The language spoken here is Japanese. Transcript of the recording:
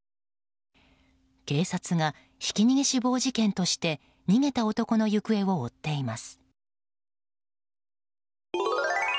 警察はひき逃げ死亡事件として逃げた男の行方を追っています。